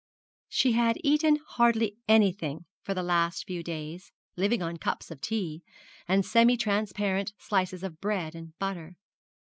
She had eaten hardly anything for the last few days, living on cups of tea, and semi transparent slices of bread and butter.